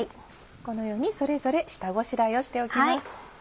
このようにそれぞれ下ごしらえをしておきます。